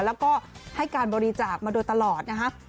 แล้วก็ให้การบริจาคมาโดยตลอดนะฮะ